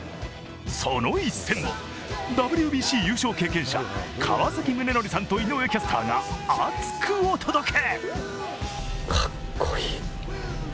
その一戦をＷＢＣ優勝経験者・川崎宗則さんと井上キャスターが熱くお届け。